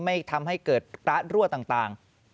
ไม่ทำให้เกิดการรั่วต่าง